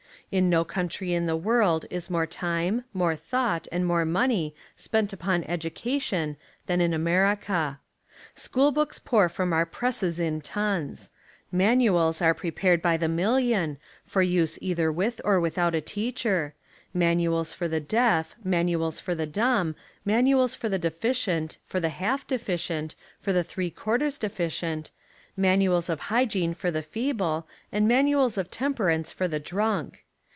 In no country in the world is more time, more thought, and more money spent upon education than in America. School books pour from our presses in tons. Man uals are prepared by the million, for use either with or without a teacher, manuals for the deaf, 73 Essays and Literary Studies manuals for the dumb, manuals for the defi cient, for the half deficient, for the three quar ters deficient, manuals of hygiene for the feeble and manuals of temperance for the drunk.